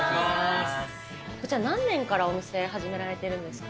こちら、何年からお店始められてるんですか。